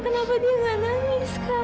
kenapa dia enggak nangis kak